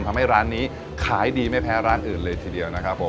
ทำให้ร้านนี้ขายดีไม่แพ้ร้านอื่นเลยทีเดียวนะครับผม